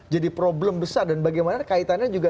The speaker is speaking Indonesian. jadi problem besar dan bagaimana kaitannya juga ke publik juga